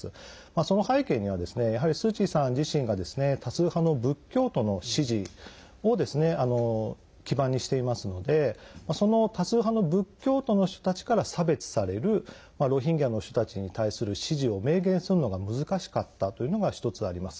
その背景にはやはり、スー・チーさん自身が多数派の仏教徒の支持を基盤にしていますのでその多数派の仏教徒の人たちから差別されるロヒンギャの人たちに対する支持を明言するのが難しかったというのが一つあります。